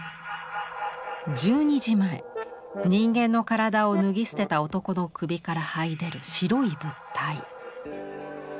１２時前人間の体を脱ぎ捨てた男の首からはい出る白い物体。